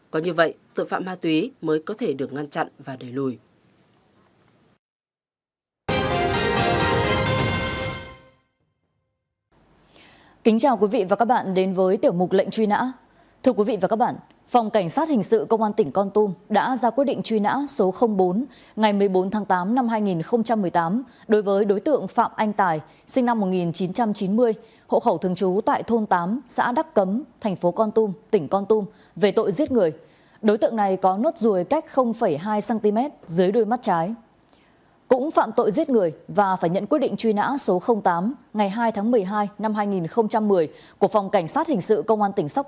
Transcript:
có như vậy tội phạm ma túy là một trận tuyến luôn nóng bỏng và còn nhiều cam go thử thách ở phía trước